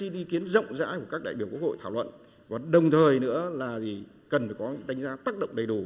đi kiến rộng rãi của các đại biểu quốc hội thảo luận đồng thời nữa là cần có đánh giá tác động đầy đủ